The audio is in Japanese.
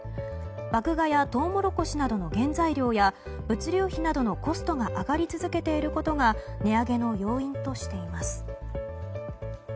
麦芽やトウモロコシなどの原材料や物流費などのコストが上がり続けていることが値上げの要因としています。